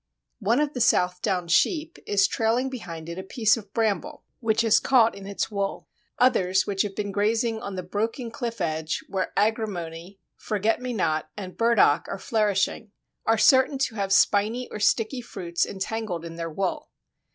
One of the South Down sheep is trailing behind it a piece of bramble which has caught in its wool; others, which have been grazing on the broken cliff edge where Agrimony, Forget me not, and Burdock are flourishing, are certain to have spiny or sticky fruits entangled in their wool.